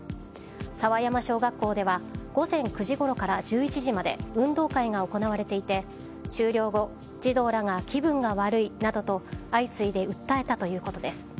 佐和山小学校では午前９時ごろから１１時まで運動会が行われていて終了後、児童らが気分が悪いなどと相次いで訴えたということです。